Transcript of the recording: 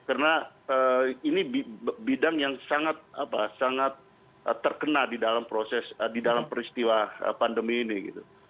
karena ini bidang yang sangat terkena di dalam proses di dalam peristiwa pandemi ini gitu